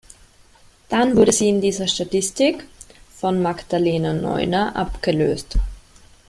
Dann wurde sie in dieser Statistik von Magdalena Neuner abgelöst.